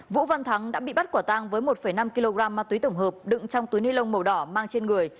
vũ văn thắng đã bị bắt quả tang với một năm kg ma túy tổng hợp đựng trong túi ni lông màu đỏ mang trên người